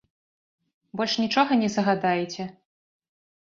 Больш нічога не загадаеце?